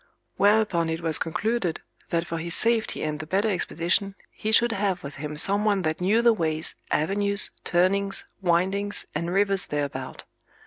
Whereupon it was concluded, that for his safety and the better expedition, he should have with him someone that knew the ways, avenues, turnings, windings, and rivers thereabout.